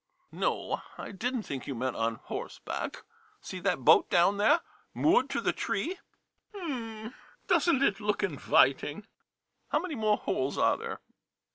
No — I did n't think you meant on horseback! See that boat down there, moored to the tree — [Sighs'] — doesn't it look inviting? How many more holes are there?